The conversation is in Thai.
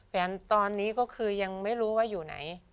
แฟนตอนนี้ก็คือยังไม่รู้ว่าอยู่ไหน